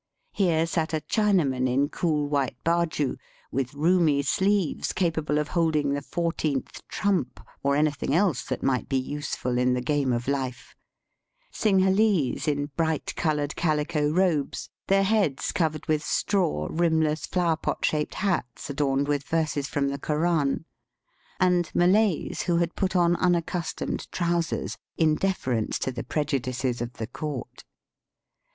Here sat a Chinaman in cool white bajoo, with roomy sleeves capable of holding the fourteenth trump, or anything else that might be useful in the game of life ; Cingalese in bright coloured calico robes, their Digitized by VjOOQIC m THE TROPICS. 139 heads covered with straw, rimless, flowerpot shaped hats adorned with verses from the Koran; and Malays who had put on un accustomed trousers in deference to the pre judices of the court.